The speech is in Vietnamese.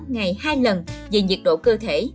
ngày hai lần về nhiệt độ cơ thể